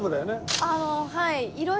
はい。